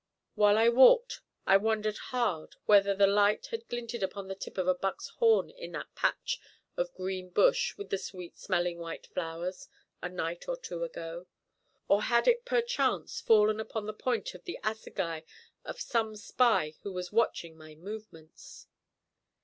While I walked I wondered hard whether the light had glinted upon the tip of a buck's horn in that patch of green bush with the sweet smelling white flowers a night or two ago. Or had it perchance fallen upon the point of the assegai of some spy who was watching my movements!